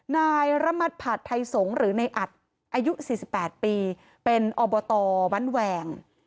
นายระมัดผัดไทยสงศ์หรือในอัดอายุ๔๘ปีเป็นอบตบ้านแหวง